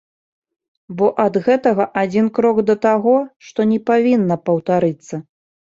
Бо ад гэтага адзін крок да таго, што не павінна паўтарыцца.